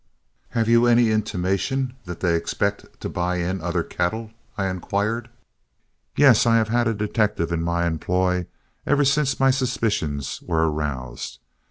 "Have you any intimation that they expect to buy in other cattle?" I inquired. "Yes. I have had a detective in my employ ever since my suspicions were aroused.